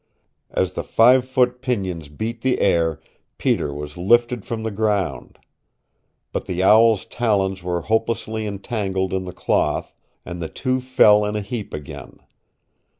As the five foot pinions beat the air Peter was lifted from the ground. But the owl's talons were hopelessly entangled in the cloth, and the two fell in a heap again.